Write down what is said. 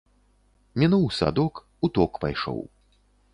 Мінуў садок, у ток пайшоў.